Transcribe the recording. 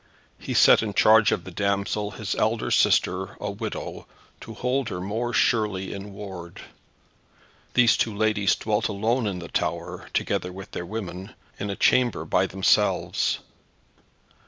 He set in charge of the damsel his elder sister, a widow, to hold her more surely in ward. These two ladies dwelt alone in the tower, together with their women, in a chamber by themselves.